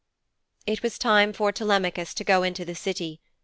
X It was time for Telemachus to go into the City.